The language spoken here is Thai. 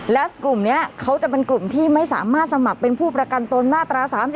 และกลุ่มนี้เขาจะเป็นกลุ่มที่ไม่สามารถสมัครเป็นผู้ประกันตนมาตรา๓๔